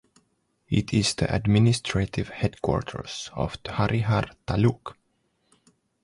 It is the administrative headquarters of the Harihar Taluk.